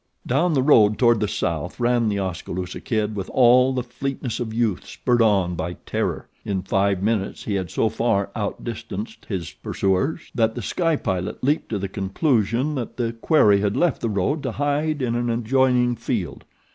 Down the road toward the south ran The Oskaloosa Kid with all the fleetness of youth spurred on by terror. In five minutes he had so far outdistanced his pursuers that The Sky Pilot leaped to the conclusion that the quarry had left the road to hide in an adjoining field.